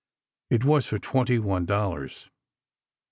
It was for twenty one dollars."